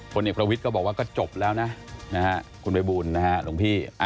ผลิตก็บอกว่าก็จบแล้วนะคุณบ๊ายบูรณ์นะฮะลุกพี่